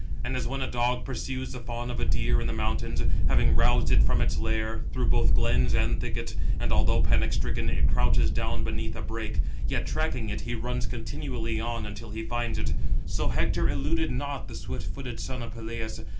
And as when a dog pursues the fawn of a deer in the mountains, having roused it from its lair, through both glens and thickets; and, although panic stricken, it crouches down beneath a brake; yet tracking it, he runs continually on until he finds it; so Hector eluded not the swift footed son of Peleus.